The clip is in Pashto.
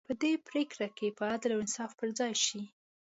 په دې پرېکړې کې به عدل او انصاف پر ځای شي.